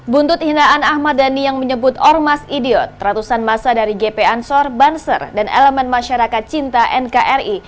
buntut hinaan ahmad dhani yang menyebut ormas idiot ratusan masa dari gp ansor banser dan elemen masyarakat cinta nkri